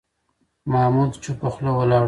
محمود چوپه خوله ولاړ و.